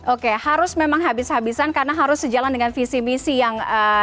oke harus memang habis habisan karena harus sejalan dengan visi misi yang